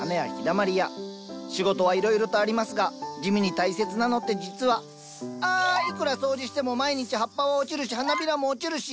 仕事はいろいろとありますが地味に大切なのって実はあいくら掃除しても毎日葉っぱは落ちるし花びらも落ちるし。